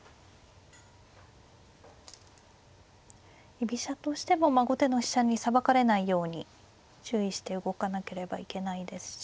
居飛車としても後手の飛車にさばかれないように注意して動かなければいけないですし。